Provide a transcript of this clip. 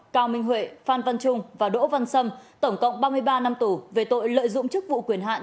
cao minh huệ phan văn trung và đỗ văn sâm tổng cộng ba mươi ba năm tù về tội lợi dụng chức vụ quyền hạn